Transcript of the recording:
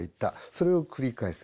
それを繰り返す。